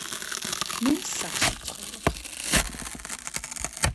მე სახლში ვცხოვრობ